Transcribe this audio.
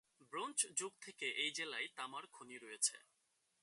Bronze যুগ থেকে এই জেলায় তামার খনি রয়েছে।